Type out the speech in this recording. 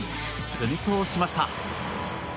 奮闘しました。